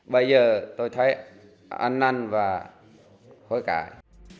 bây giờ tôi thấy ăn ăn và hối cãi